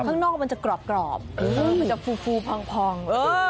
ข้างนอกมันจะกรอบมันจะฟูพอง